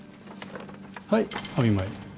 はいお見舞い。